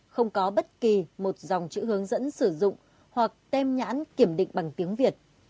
không có bất kỳ một dòng chữ hướng dẫn sử dụng hoặc tem nhãn kiểm định bằng tiếng việt